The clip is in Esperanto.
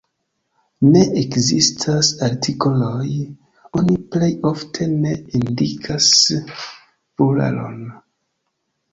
Ne ekzistas artikoloj; oni plej ofte ne indikas pluralon.